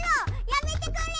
やめてくれ！